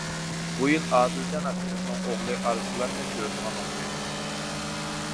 بۇ يىل ئادىلجان ئاكىمىزنىڭ ئوغلى ئارسلاننى كۆرىدىغان ئوخشايمىز.